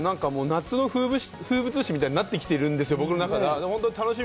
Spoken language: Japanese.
夏の風物詩になってきているんですよ、僕の中では。